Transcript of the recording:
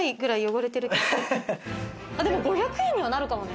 でも５００円にはなるかもね。